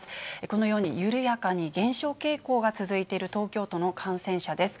このように、緩やかに減少傾向が続いている、東京都の感染者です。